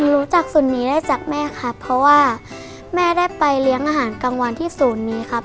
รู้จักศูนย์นี้ได้จากแม่ครับเพราะว่าแม่ได้ไปเลี้ยงอาหารกลางวันที่ศูนย์นี้ครับ